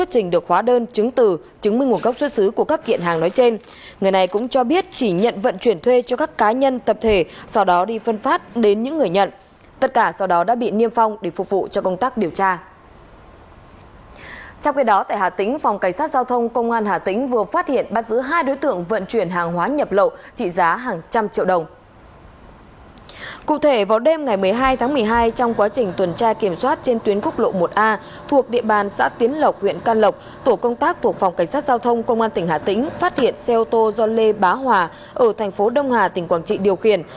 tổ công tác thuộc phòng cảnh sát giao thông công an tỉnh hà tĩnh phát hiện xe ô tô do lê bá hòa ở thành phố đông hà tỉnh quảng trị điều khiển